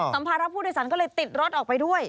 ภาระผู้โดยสารก็เลยติดรถออกไปด้วย